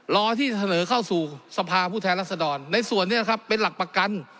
รอที่จะเสนอเข้าสู่สภาผู้แทนรัศดรในส่วนนี้นะครับเป็นหลักประกัน